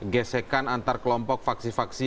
gesekan antar kelompok faksi faksi